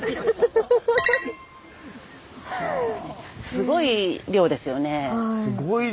すごい量ですよね。